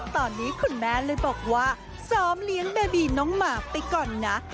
ตอนนี้คุณแม่เลยบอกว่าซ้อมเลี้ยงเบบีน้องหมากไปก่อนนะ